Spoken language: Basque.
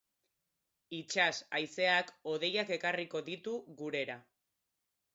Itsas haizeak hodeiak ekarriko ditu gurera.